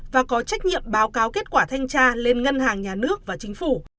và có trách nhiệm báo cáo kết quả thanh tra lên ngân hàng nhà nước và chính phủ